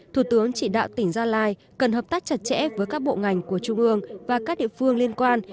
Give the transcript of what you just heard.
thủ tướng chỉ đạo tỉnh gia lai cần hợp tác chặt chẽ với các bộ ngành của trung ương và các địa phương liên quan